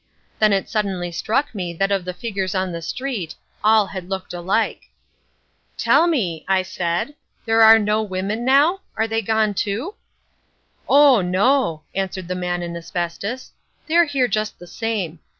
Then it suddenly struck me that of the figures on the street, all had looked alike. "Tell me," I said, "are there no women now? Are they gone too?" "Oh, no," answered the Man in Asbestos, "they're here just the same.